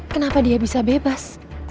kenapa dia bisa bebas